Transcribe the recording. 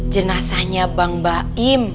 jenasanya bang baim